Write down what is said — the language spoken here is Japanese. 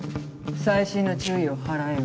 細心の注意を払えよ。